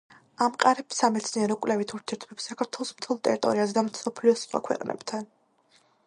ამყარებს სამეცნიერო-კვლევით ურთიერთობებს საქართველოს მთელ ტერიტორიაზე და მსოფლიოს სხვა ქვეყნებთან.